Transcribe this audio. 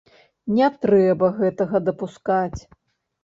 Не трэба гэтага дапускаць.